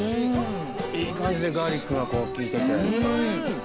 いい感じでガーリックが効いてて。